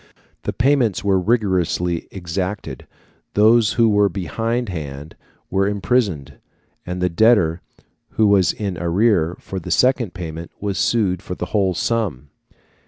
The payments were rigorously exacted; those who were behind hand were imprisoned, and the debtor who was in arrear for the second payment was sued for the whole sum.